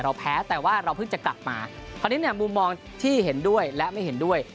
แพ้แต่ว่าเราเพิ่งจะกลับมาคราวนี้เนี่ยมุมมองที่เห็นด้วยและไม่เห็นด้วย